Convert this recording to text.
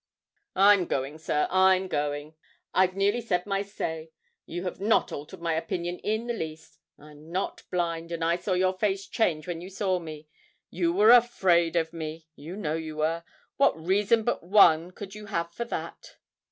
'I'm going, sir, I'm going. I've nearly said my say. You have not altered my opinion in the least. I'm not blind, and I saw your face change when you saw me. You were afraid of me. You know you were. What reason but one could you have for that?'